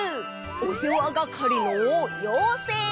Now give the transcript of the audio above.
おせわがかりのようせい！